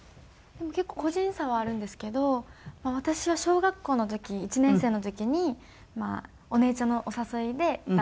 結構個人差はあるんですけど私は小学校の時１年生の時にお姉ちゃんのお誘いでダンスを始めたって感じですね。